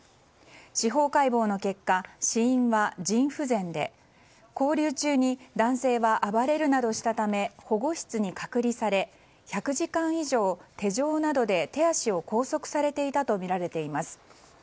司法解剖の結果、死因は腎不全で勾留中に男性は暴れるなどしたため保護室に隔離され１００時間以上手錠などで手足を拘束されていたとみられています。